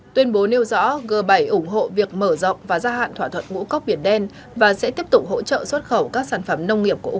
tuyên bố nêu rõ g bảy ủng hộ việc mở rộng và gia hạn thỏa thuận ngũ cốc biển đen và sẽ tiếp tục hỗ trợ xuất khẩu các sản phẩm nông nghiệp của ukraine